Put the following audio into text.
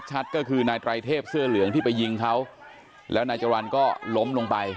ก็คือนายไตรเทพเสื้อเหลืองที่ไปยิงเขาแล้วนายจรรย์ก็ล้มลงไป